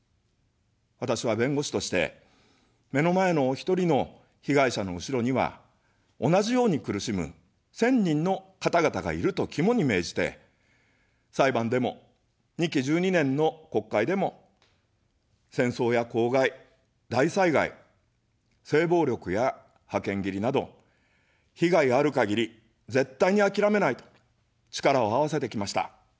私は弁護士として、目の前のお一人の被害者の後ろには、同じように苦しむ１０００人の方々がいると肝に銘じて、裁判でも、２期１２年の国会でも、戦争や公害、大災害、性暴力や派遣切りなど、被害がある限り、絶対にあきらめないと、力をあわせてきました。